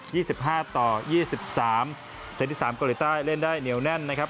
ี่สิบห้าต่อยี่สิบสามเซตที่สามเกาหลีใต้เล่นได้เหนียวแน่นนะครับ